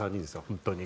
本当に。